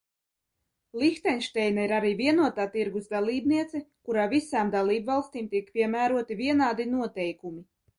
Lihtenšteina ir arī vienotā tirgus dalībniece, kurā visām dalībvalstīm tiek piemēroti vienādi noteikumi.